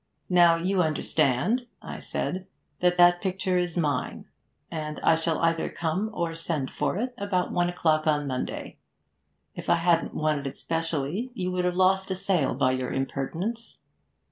"Now, you understand," I said, "that that picture is mine, and I shall either come or send for it about one o'clock on Monday. If I hadn't wanted it specially, you would have lost a sale by your impertinence."